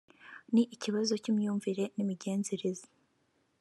Ni ikibazo cy’imyumvire n’imigenzereze